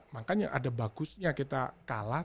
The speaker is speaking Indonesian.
makanya ada bagusnya kita kalah